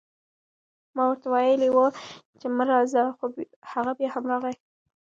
ما ورته وئيلي وو چې مه راځه، خو هغه بيا هم راغی